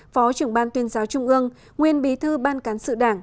phó trưởng ban tuyên giáo trung ương nguyên bí thư ban cán sự đảng